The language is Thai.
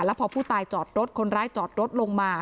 แล้วพอผู้ตายจอดรถคนร้ายจอดรถลงมา